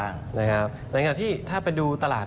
ในขณะที่ถ้าไปดูตลาด